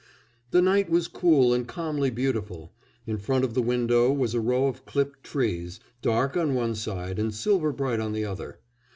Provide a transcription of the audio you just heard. "The night was cool and calmly beautiful. In front of the window was a row of clipped trees, dark on one side and silver bright on the other....